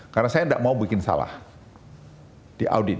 karena saya nggak mau bikin salah diaudit